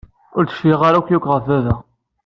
Ur d-cfiɣ ara yakk ɣef baba.